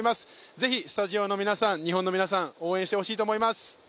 ぜひ、スタジオの皆さん、日本の皆さん、応援してほしいと思います。